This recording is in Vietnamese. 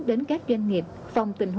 đến các doanh nghiệp phòng tỉnh